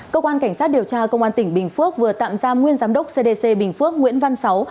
cơ quan cảnh sát điều tra công an tỉnh bình phước vừa tạm giam nguyên giám đốc cdc bình phước nguyễn văn sáu